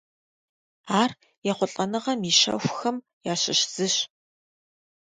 Ар ехъулӀэныгъэм и щэхухэм ящыщ зыщ.